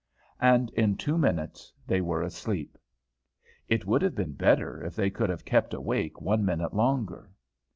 And in two minutes they were asleep. It would have been better if they could have kept awake one minute longer.